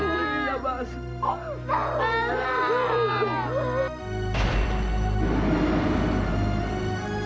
mungkin bapak tidak sanggup lagi